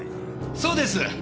そうです！